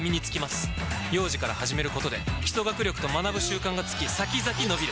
幼児から始めることで基礎学力と学ぶ習慣がつき先々のびる！